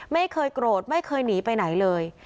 ไม่เคยโกรธไม่เคยหนีไปไหนเลย